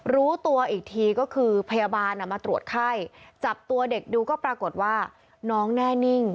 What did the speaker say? รู้ตัวอีกทีก็คือพยาบาลมาตรวจไข้จับตัวเด็กดูก็ปรากฏว่าน้องแน่นิ่ง